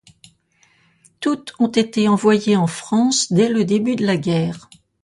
Toutes ont été envoyées en France dès le début de la guerre.